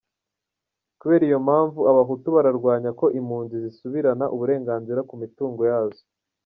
Kubera iyo mpamvu, Abahutu bararwanya ko impunzi zisubirana uburenganzira ku mitungo yazo.